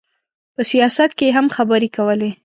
په سیاست کې یې هم خبرې کولې.